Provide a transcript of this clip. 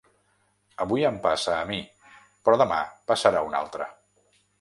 Avui em passa a mi, però demà passarà a un altre.